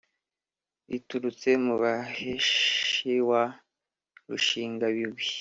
riturutse mu baheshi wa rushingabigwi